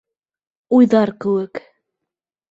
Уйҙар кеүек.